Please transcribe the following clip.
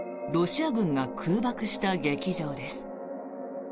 ロシア軍が空爆した劇場です。